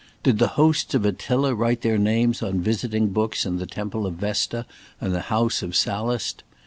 Did the hosts of Attila write their names on visiting books in the temple of Vesta and the house of Sallust?